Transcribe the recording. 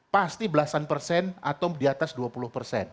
pasti belasan persen atau di atas dua puluh persen